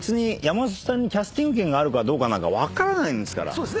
そうですね。